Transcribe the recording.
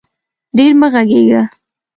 ډېر مه غږېږه